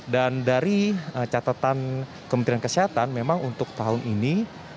dan dari catatan kementerian kesehatan memang untuk tahun ini